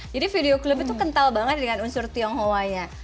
jadi video clipnya tuh kental banget dengan unsur tionghoa nya